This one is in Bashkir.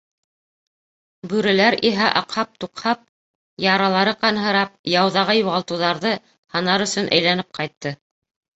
Бүреләр иһә аҡһап-туҡһап, яралары ҡанһырап, яуҙағы юғалтыуҙарҙы һанар өсөн әйләнеп ҡайтты.